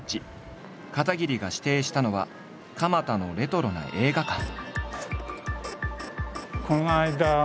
片桐が指定したのは蒲田のレトロな映画館。